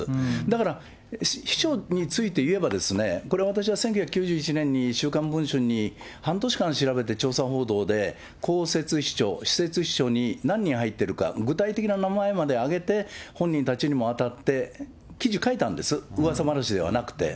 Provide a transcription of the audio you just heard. だから秘書についていえば、これ、私は１９９１年に週刊文春に半年間調べて調査報道で、公設秘書、私設秘書に何人入ってるか、具体的な名前まで挙げて、本人たちにも当たって記事書いたんです、うわさ話ではなくて。